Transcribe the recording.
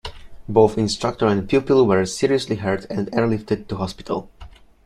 Both instructor and pupil were seriously hurt and airlifted to hospital.